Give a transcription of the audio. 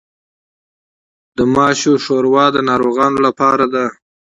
د ماشو شوروا د ناروغانو لپاره ده.